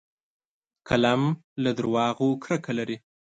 قلم له دروغو کرکه لري